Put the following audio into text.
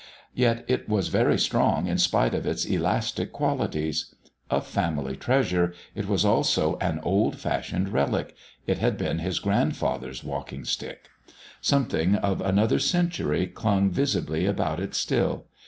Yet it was very strong in spite of its elastic qualities. A family treasure, it was also an old fashioned relic; it had been his grandfather's walking stick. Something of another century clung visibly about it still.